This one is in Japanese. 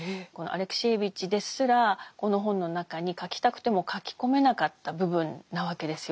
アレクシエーヴィチですらこの本の中に書きたくても書き込めなかった部分なわけですよ。